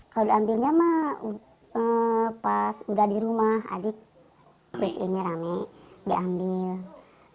kalau diambilnya mah pas udah di rumah adik kue ini rame diambil